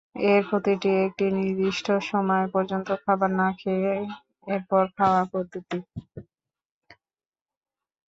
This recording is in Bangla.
এর প্রতিটিই একটি নির্দিষ্ট সময় পর্যন্ত খাবার না খেয়ে এরপর খাওয়ার পদ্ধতি।